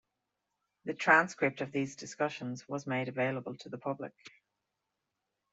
The transcript of these discussions was made available to the public.